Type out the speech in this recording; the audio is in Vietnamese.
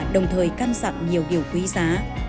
đồng thời căn dặn nhiều điều quý giá